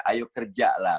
ayo kerja lah